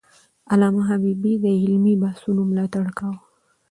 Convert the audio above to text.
علامه حبيبي د علمي بحثونو ملاتړ کاوه.